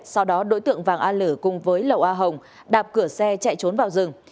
sau đó đối tượng vàng a lử cùng với lầu a hồng đạp cửa xe chạy trốn vào rừng